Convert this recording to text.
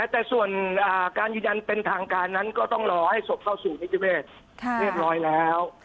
แต่ส่วนการยืนยันเป็นทางการนั้นก็ต้องรอให้ศพเข้าสู่นิติเวศเรียบร้อยแล้ว